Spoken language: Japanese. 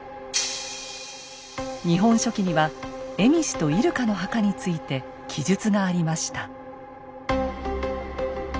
「日本書紀」には蝦夷と入鹿の墓について記述がありました。